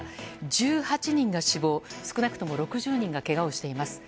１８人が死亡少なくとも６０人がけがをしています。